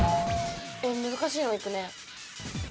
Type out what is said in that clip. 難しいのいくね。